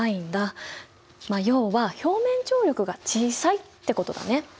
まあ要は表面張力が小さいってことだね！